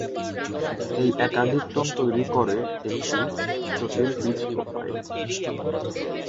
এই একাধিক টোন তৈরি করে একটি জটিল পিচ প্রোফাইল।